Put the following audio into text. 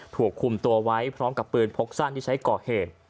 ถูกคุมตัวไว้พร้อมกับปืนพกสั้นที่ใช้ก่อเหตุ